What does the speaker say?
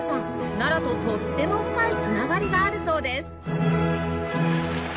奈良ととっても深い繋がりがあるそうです